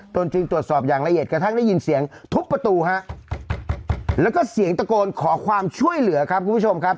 ตนจึงตรวจสอบอย่างละเอียดกระทั่งได้ยินเสียงทุบประตูฮะแล้วก็เสียงตะโกนขอความช่วยเหลือครับคุณผู้ชมครับ